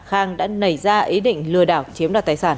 khang đã nảy ra ý định lừa đảo chiếm đoạt tài sản